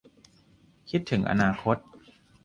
คิดถึงอนาคต